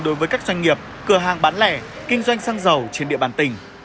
đối với các doanh nghiệp cửa hàng bán lẻ kinh doanh sang giàu trên địa bàn tỉnh